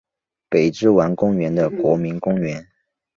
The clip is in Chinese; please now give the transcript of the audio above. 北之丸公园的国民公园。